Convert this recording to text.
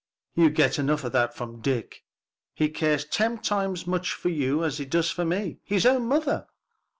"You get enough of that from Dick, he cares ten times as much for you as he does for me his own mother."